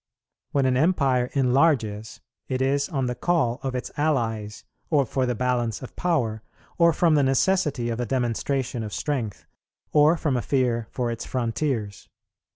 When an empire enlarges, it is on the call of its allies, or for the balance of power, or from the necessity of a demonstration of strength, or from a fear for its frontiers.